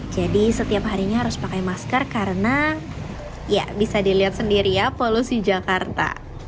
jadi setiap harinya harus pakai masker karena ya bisa dilihat sendiri ya polusi jakarta